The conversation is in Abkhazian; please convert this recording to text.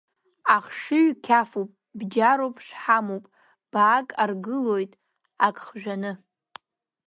Ахшыҩ қьафуп, бџьаруп, шҳамуп, баак аргылоит ак хжәаны.